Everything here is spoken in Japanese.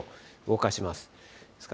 動かします。